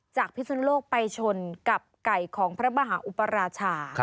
พิสุนโลกไปชนกับไก่ของพระมหาอุปราชา